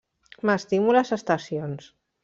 M'estimo les Estacions.